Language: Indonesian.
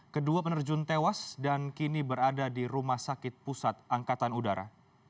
kedua penerjun tewas dan kini berada di rumah sakit pusat angkatan udara